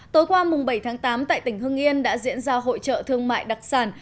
tối qua bảy tháng tám tại tỉnh hưng yên đã diễn ra hội trợ thương mại đặc sản